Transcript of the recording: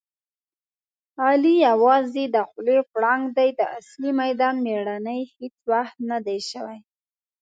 علي یووازې د خولې پړانګ دی. د اصلي میدان مېړنی هېڅ وخت ندی شوی.